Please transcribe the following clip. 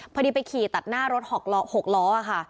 พอดีไปขี่ตัดหน้ารถ๖ล้อค่ะ